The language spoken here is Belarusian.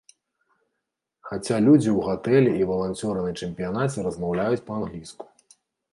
Хаця людзі ў гатэлі і валанцёры на чэмпіянаце размаўляюць па-англійску.